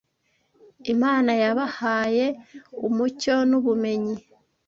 Imana yabahaye umucyo n’ubumenyi